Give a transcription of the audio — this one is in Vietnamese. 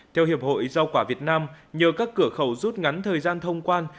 theo hiệp hội rau quả việt nam nhờ các cửa khẩu rút ngắn thời gian thông quan